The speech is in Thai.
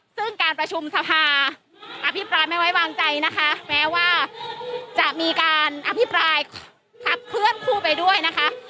ซึ่งการประชุมสภาอภิปรายไม่ไว้วางใจนะคะแม้ว่าจะมีการอภิปรายพักเคลื่อนคู่ไปด้วยนะคะ